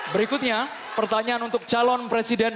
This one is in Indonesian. berikutnya pertanyaan untuk calon presiden